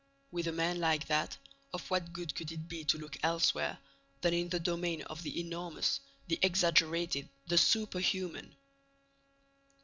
With a man like that, of what good could it be to look elsewhere than in the domain of the enormous, the exaggerated, the superhuman?